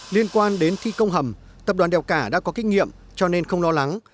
liên quan đến thi công hầm tập đoàn đèo cả đã có kinh nghiệm cho nên không lo lắng